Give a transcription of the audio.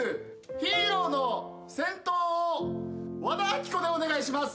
ヒーローの戦闘を和田アキ子でお願いします！